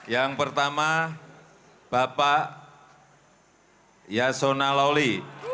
yang pertama bapak yasona lawli